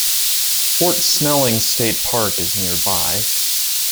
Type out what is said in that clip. Fort Snelling State Park is nearby.